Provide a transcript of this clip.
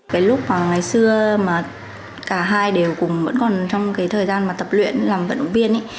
cái lúc mà ngày xưa mà cả hai đều cùng vẫn còn trong cái thời gian mà tập luyện làm vận động viên